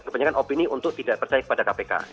kebanyakan opini untuk tidak percaya kepada kpk